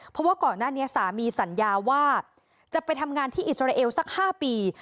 เพราะว่าก่อนหน้านี้สามีสัญญาว่าจะไปทำงานที่อิสราเอลสัก๕ปี